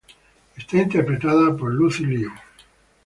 Está interpretada por Lucy Liu.